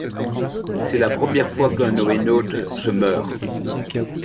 C’est la première fois qu’un NoéNaute se meurt.